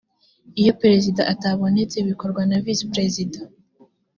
iyo perezida atabonetse bikorwa na visi perezida